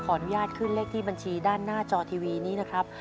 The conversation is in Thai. อนุญาตขึ้นเลขที่บัญชีด้านหน้าจอทีวีนี้นะครับ